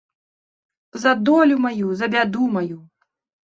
За долю маю, за бяду маю.